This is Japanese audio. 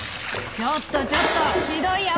ちょっとちょっとしどい泡だよ。